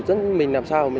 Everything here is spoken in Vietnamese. ông là ai